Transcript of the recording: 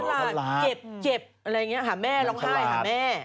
มันฉลาดเจ็บอะไรอย่างเงี้ยหาแม่ร้องไห้หาแม่